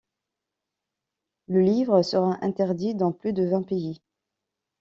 Le livre sera interdit dans plus de vingt pays.